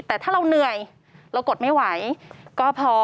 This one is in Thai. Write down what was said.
แต่ถ้าเราเหนื่อยเรากดไม่ไหวก็พอ